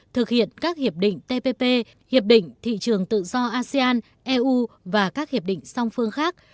thực hiện các hiệp định tpp hiệp định thị trường tự do asean eu và các hiệp định song phương khác